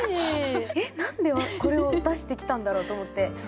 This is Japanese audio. えっ何でこれを出してきたんだろうと思って。